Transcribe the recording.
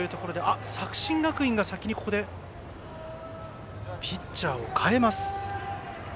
作新学院が先にここでピッチャーを代えます。